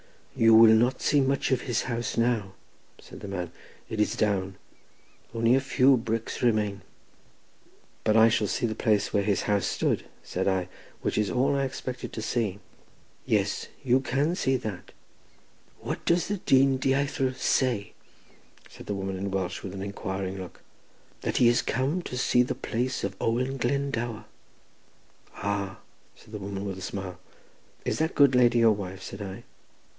"You will not see much of his house now," said the man—"it is down; only a few bricks remain." "But I shall see the place where his house stood," said I; "which is all I expected to see." "Yes; you can see that." "What does the dyn dieithr say?" said the woman in Welsh, with an inquiring look. "That he is come to see the place of Owen Glendower." "Ah!" said the woman with a smile. "Is that good lady your wife?" said I.